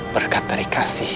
berkat dari kasih